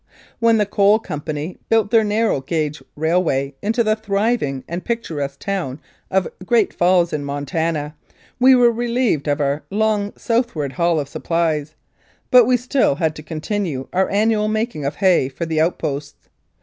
When the Coal Company built their narrow gauge railway into the thriving and picturesque town of Great Falls in Montana we were relieved of our long south ward haul of supplies, but we still had to continue our annual making of hay for the outposts.